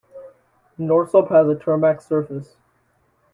Norsup has a tarmac surface.